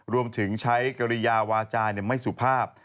รวมถึงใช้กริยาวาจาไม่สุภาพ